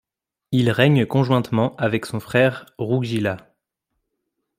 Il règne conjointement avec son frère Rugila.